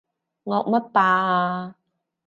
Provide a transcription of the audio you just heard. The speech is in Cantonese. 惡乜霸啊？